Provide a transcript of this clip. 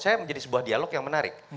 saya menjadi sebuah dialog yang menarik